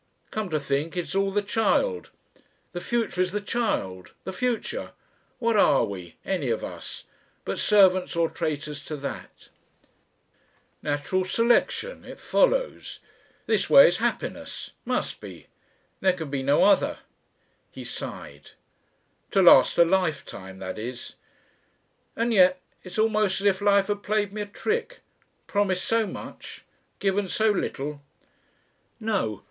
"Come to think, it is all the Child. The future is the Child. The Future. What are we any of us but servants or traitors to that?... "Natural Selection it follows ... this way is happiness ... must be. There can be no other." He sighed. "To last a lifetime, that is. "And yet it is almost as if Life had played me a trick promised so much given so little!... "No!